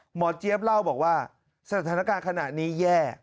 เจี๊ยบเล่าบอกว่าสถานการณ์ขณะนี้แย่